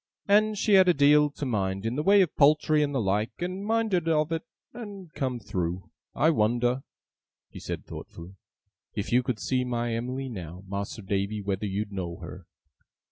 And she had a deal to mind in the way of poultry and the like, and minded of it, and come through. I wonder,' he said thoughtfully, 'if you could see my Em'ly now, Mas'r Davy, whether you'd know her!